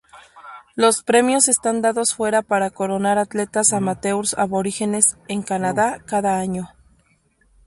Los premios están dados fuera para coronar atletas amateurs Aborígenes en Canadá cada año.